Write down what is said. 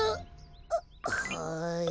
はい。